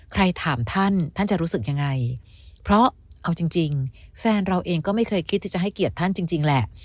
ถามท่านท่านจะรู้สึกยังไงเพราะเอาจริงแฟนเราเองก็ไม่เคยคิดที่จะให้เกียรติท่านจริงแหละ